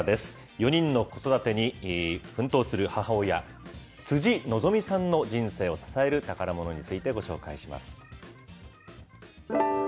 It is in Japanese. ４人の子育てに奮闘する母親、辻希美さんの人生を支える宝ものについてご紹介します。